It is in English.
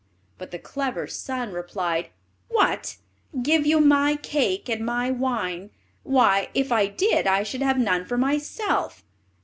But the clever son replied: "What, give you my cake and my wine! Why, if I did, I should have none for myself.